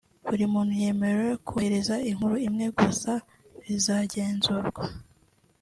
Buri muntu yemerewe kohereza inkuru imwe gusa (bizagenzurwa)